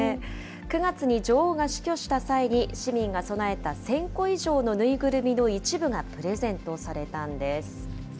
９月に女王が死去した際に、市民が供えた１０００個以上のぬいぐるみの一部がプレゼントされたんです。